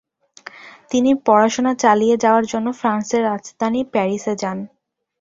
তিনি পড়াশোনা চালিয়ে যাওয়ার জন্য ফ্রান্সের রাজধানী প্যারিসে যান।